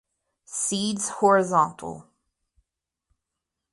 Seeds horizontal.